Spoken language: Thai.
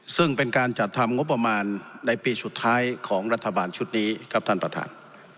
ซึ่งเป็นการจัดทำงบประมาณในปีสุดท้ายของรัฐบาลชุดนี้ครับท่านประธาน